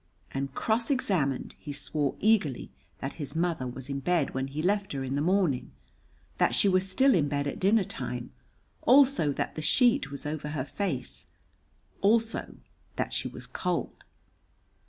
and, cross examined, he swore eagerly that his mother was in bed when he left her in the morning, that she was still in bed at dinner time, also that the sheet was over her face, also that she was cold.